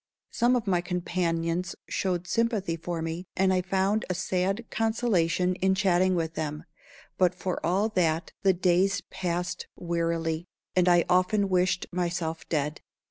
Some of my companions showed sympathy for me, and I found a sad consolation in chatting with them; but for all that, the days passed wearily, and I often wished myself dead.